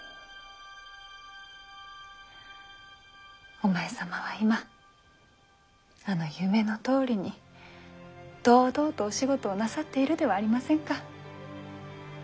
お前様は今あの夢のとおりに堂々とお仕事をなさっているではありませんか。